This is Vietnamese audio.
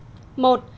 một vụ án